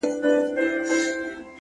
وړونه مي ټول د ژوند پر بام ناست دي’